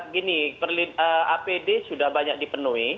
gini apd sudah banyak dipenuhi